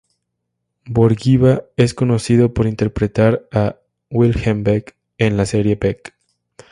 Bourguiba es conocido por interpretar a Wilhelm Beck en la serie Beck.